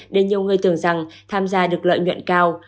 để nhiều người tưởng rằng tham gia được lợi nhuận cao